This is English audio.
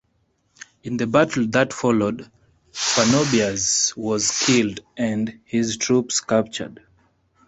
In the battle that followed, Farnobius was killed, and his troops captured.